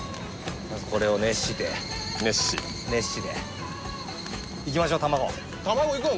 まずこれを熱して熱し熱しでいきましょう卵卵いくん？